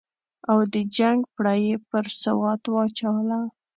او د جنګ پړه یې پر سوات واچوله.